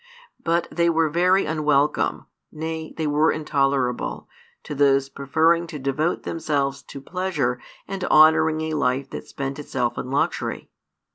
But they were very unwelcome, nay, they were intolerable, to those preferring to devote themselves to pleasure and honouring a life that spent itself in luxury.